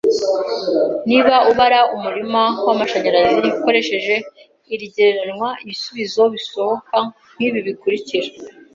Niba ubara umurima wamashanyarazi ukoresheje iri gereranya, ibisubizo bisohoka nkibi bikurikira.